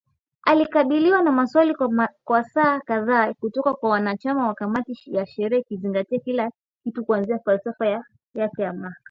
Alikabiliwa na maswali kwa saa kadhaa kutoka kwa wanachama wa kamati ya sheria ikizingatia kila kitu kuanzia falsafa yake ya mahakama